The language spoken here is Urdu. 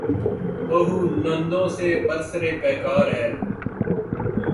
بہو نندوں سے برسر پیکار ہے۔